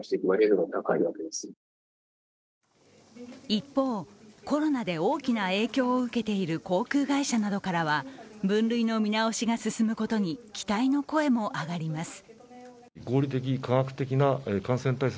一方、コロナで大きな影響を受けている航空会社などからは分類の見直しが進むことに期待の声も上がります。